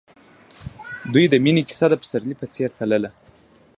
د دوی د مینې کیسه د پسرلی په څېر تلله.